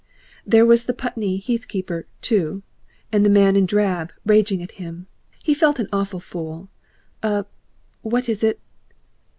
There was the Putney heath keeper, too, and the man in drab raging at him. He felt an awful fool, a what was it?